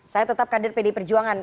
saya tetap kader pdi perjuangan